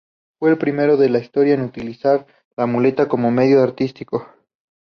Fue el primero de la historia en utilizar la muleta como medio artístico.